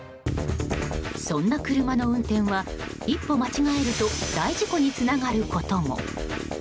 そんな車の運転は一歩間違えると大事故につながることも。